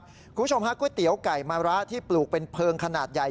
คุณผู้ชมฮะก๋วยเตี๋ยวไก่มะระที่ปลูกเป็นเพลิงขนาดใหญ่